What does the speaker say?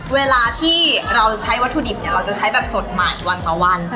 เวลาที่เราใช้วัตถุดิบเนี่ยเราจะใช้แบบสดใหม่วันต่อวัน